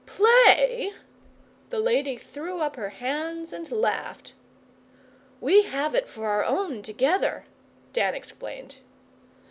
'Play?' The lady threw up her hands and laughed. 'We have it for our own, together,' Dan explained.